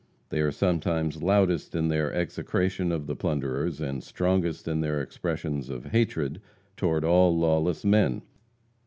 They are sometimes loudest in their execration of the plunderers, and strongest in their expressions of hatred toward all lawless men.